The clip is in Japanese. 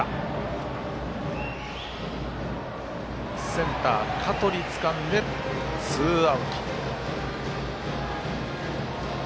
センター、香取つかんでツーアウト。